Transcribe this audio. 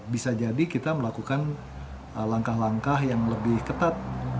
bisa jadi kita melakukan langkah langkah yang lebih ketat